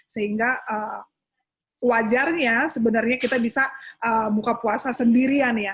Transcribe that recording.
sehingga wajarnya sebenarnya kita bisa buka puasa sendirian ya